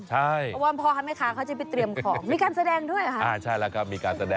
ใช่วันพอครับไหมคะเขาจะไปเตรียมของมีการแสดงด้วยค่ะ